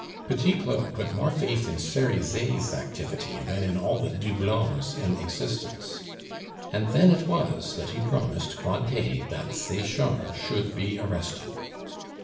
Petit Claud put more faith in Cerizet's activity than in all the Doublons in existence; and then it was that he promised Cointet that Sechard should be arrested.